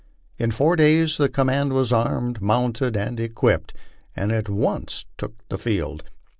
In four days the command was armed, mounted, and equipped, and at once took the field.